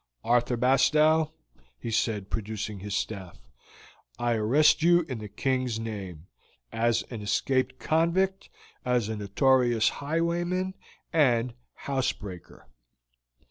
"Arthur Bastow," he said, producing his staff, "I arrest you in the King's name, as an escaped convict, as a notorious highwayman and house breaker."